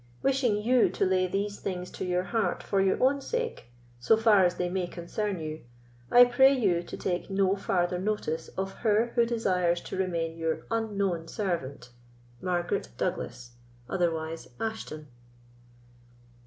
Wishing you to lay these things to your heart for your own sake, so far as they may concern you, I pray you to take no farther notice of her who desires to remain your unknown servant, "MARGARET DOUGLAS, "otherwise ASHTON."